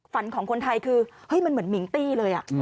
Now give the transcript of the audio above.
ฝั่งของคนไทยคือเหมือนแหม้งตี้เลย